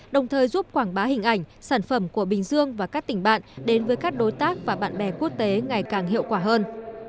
đồng thời giúp quảng bá hình ảnh sản phẩm của bình dương và các tỉnh bạn đến với các đối tác và bạn bè quốc tế ngày càng hiệu quả hơn